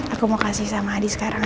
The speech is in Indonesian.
aku mau kasih sama adi sekarang aja